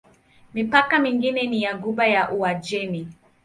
Mipaka mingine ni ya Ghuba ya Uajemi.